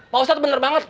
pak ustadz bener banget